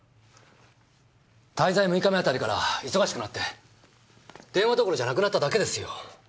滞在６日目あたりから忙しくなって電話どころじゃなくなっただけですよ。